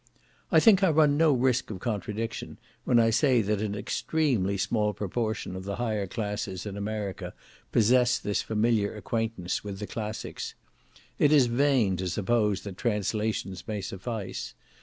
I think I run no risk of contradiction, when I say that an extremely small proportion of the higher classes in America possess this familiar acquaintance with the classics. It is vain to suppose that translations may suffice.